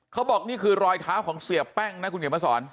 เขาบอกนี่คือรอยเท้าของเสียแป้งนะคุณเขียนมาสอน